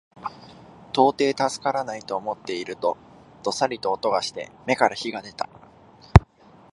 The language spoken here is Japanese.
到底助からないと思っていると、どさりと音がして眼から火が出た